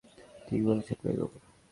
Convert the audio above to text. ঠিক বলেছেন, বেগম!